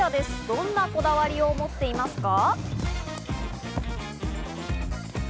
どんなこだわりを持っていますか？